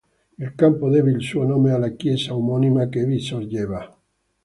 Il campo deve il suo nome alla chiesa omonima che vi sorgeva.